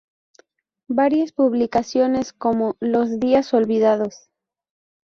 Varias publicaciones, como "Los días olvidados.